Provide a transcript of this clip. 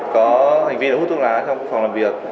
có hành vi hút thuốc lá trong phòng làm việc